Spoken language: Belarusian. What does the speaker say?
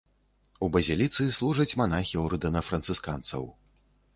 У базіліцы служаць манахі ордэна францысканцаў.